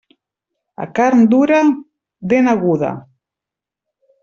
A carn dura, dent aguda.